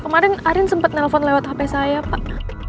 kemarin arin sempat nelfon lewat hp saya pak